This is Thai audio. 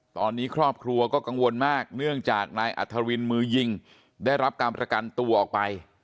ตอนนี้ครอบครัวก็กังวลมากเนื่องจากนายอัธวินมือยิงได้รับการประกันตัวออกไป